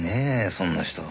そんな人。